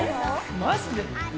マジで！？